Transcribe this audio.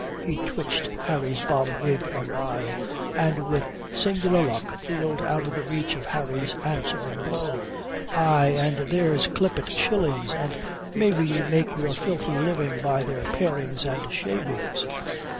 He twitched Harry's bob wig awry; and with singular luck reeled out of the reach of Harry's answering blow. "Ay, and there's clippit shillings and maybe ye make your filthy living by their parings and shavings.